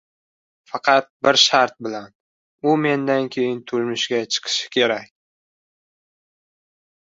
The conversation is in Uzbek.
Faqat bir shart bilan: u mendan keyin turmushga chiqishi kerak.